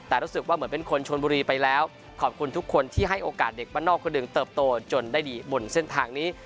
แต่รู้สึกว่าเหมือนเป็นคนชนบุรีไปแล้วขอบคุณทุกคนที่ให้โอกาสเด็กบ้านนอกคนหนึ่งเติบโตจนได้ดีบนเส้นทางนี้